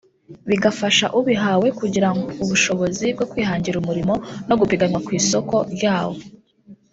bigafasha ubihawe kugira ubushobozi bwo kwihangira umurimo no gupiganwa ku isoko ryawo